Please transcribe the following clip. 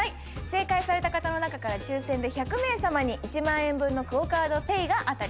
正解された方の中から抽選で１００名さまに１万円分のＱＵＯカードＰａｙが当たります。